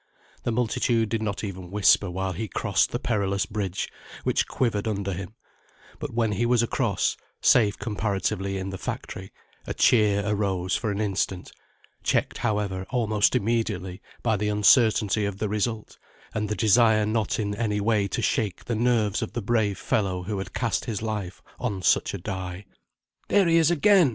The multitude did not even whisper while he crossed the perilous bridge, which quivered under him; but when he was across, safe comparatively in the factory, a cheer arose for an instant, checked, however, almost immediately, by the uncertainty of the result, and the desire not in any way to shake the nerves of the brave fellow who had cast his life on such a die. "There he is again!"